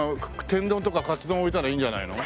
天丼とかかつ丼置いたらいいんじゃないの？